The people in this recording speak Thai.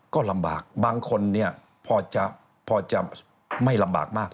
ก็ลำบากบางคนเนี่ยพอจะไม่ลำบากมาก